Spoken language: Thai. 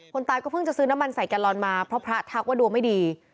ตายก็เพิ่งจะซื้อน้ำมันใส่แกลลอนมาเพราะพระทักว่าดวงไม่ดี